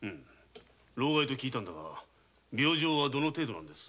労咳と聞いたが病状はどの程度なんですか？